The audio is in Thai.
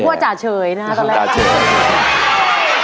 นึกว่าจ่าเฉยนะครับตอนแรก